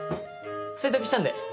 洗濯したんで。